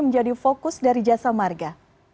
menjadi fokus dari jasa marga